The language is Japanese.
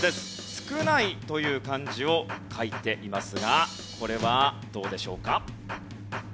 「少ない」という漢字を書いていますがこれはどうでしょうか？